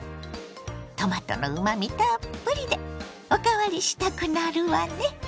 トマトのうまみたっぷりでおかわりしたくなるわね。